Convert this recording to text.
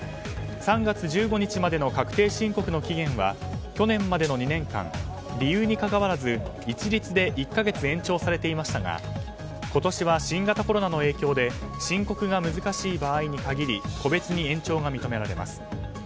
３月１５日までの確定申告の期限は去年までの２年間理由にかかわらず一律で１か月延長されていましたが今年は新型コロナの影響で申告が難しい場合に限り個別に延長が認められます。